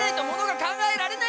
考えられない。